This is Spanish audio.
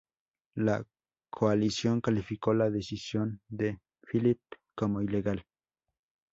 La coalición calificó la decisión de Filip como ilegal.